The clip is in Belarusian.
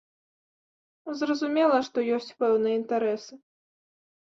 Зразумела, што ёсць пэўныя інтарэсы.